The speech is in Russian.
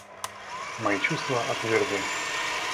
Мои чувства отвергли.